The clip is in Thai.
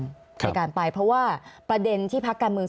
ในการไปเพราะว่าประเด็นที่พักการเมือง